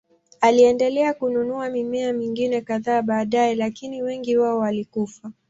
Aliendelea kununua mimea mingine kadhaa baadaye, lakini wengi wao walikufa.